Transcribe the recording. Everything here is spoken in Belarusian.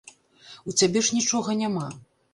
У цябе ж нічога няма.